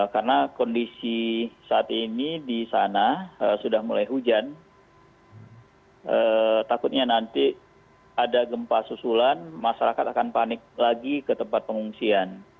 karena kondisi saat ini di sana sudah mulai hujan takutnya nanti ada gempa susulan masyarakat akan panik lagi ke tempat pengungsian